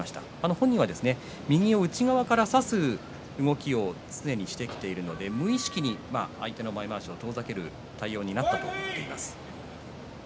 本人は右を内側から差す動きを常にしてきているので無意識に相手の前まわしを遠ざける対応になったと言ってます。